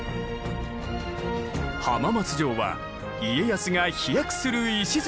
浜松城は家康が飛躍する礎となった城。